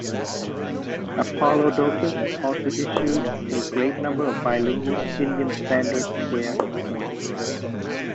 Apollodotus also issued a great number of bilingual Indian-standard square coins.